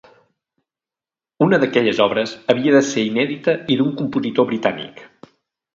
Una d'aquelles obres havia de ser inèdita i d'un compositor britànic.